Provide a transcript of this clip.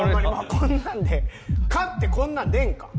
こんなんで勝ってこんなんでええんか？